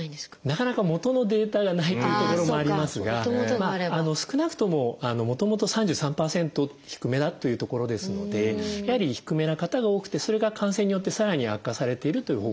なかなかもとのデータがないというところもありますが少なくとももともと３３％低めだというところですのでやはり低めな方が多くてそれが感染によってさらに悪化されているという報告もあります。